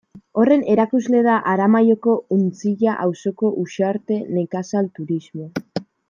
Horren erakusle da Aramaioko Untzilla auzoko Uxarte Nekazal Turismoa.